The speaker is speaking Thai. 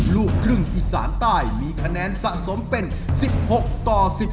ลูกครึ่งอีสานใต้มีคะแนนสะสมเป็น๑๖ต่อ๑๒